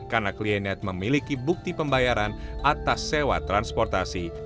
karena kliennya memiliki bukti pembayaran atas sewa transportasi